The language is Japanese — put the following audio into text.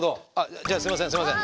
じゃあすいませんすいません。